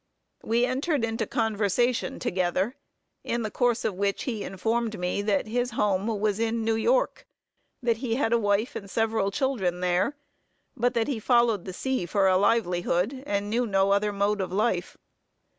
We entered into conversation together, in the course of which he informed me that his home was in New York; that he had a wife and several children there, but that he followed the sea for a livelihood, and knew no other mode of life.